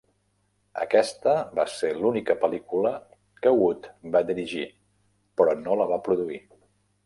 Aquesta va ser l'única pel·lícula que Wood va dirigir, però no la va produir.